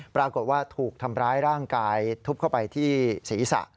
ปรากฏว่าถูกทำร้ายร่างกายทุบเข้าไปที่ศีรษะ